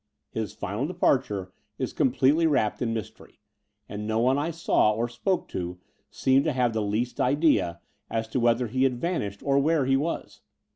His final departure is completdy wrapped in mystery; and no one I saw or spoke to seemed to have the least idea as to whether he had vanished or where he was.